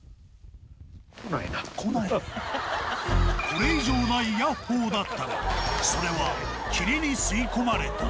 これ以上ないヤッホーだったが、それは霧に吸い込まれた。